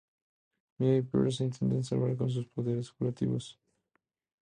Mia y Piers intentan salvarlos con sus poderes curativos... pero nada.